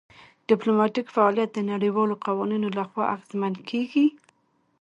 ډیپلوماتیک فعالیت د نړیوالو قوانینو لخوا اغیزمن کیږي